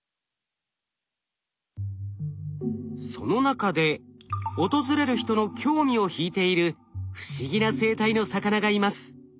その中で訪れる人の興味を引いている不思議な生態の魚がいます。